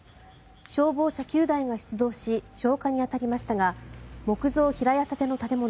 消防車９台が出動し消火に当たりましたが木造平屋建ての建物